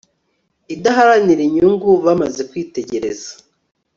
idaharanira inyungu bamaze kwitegereza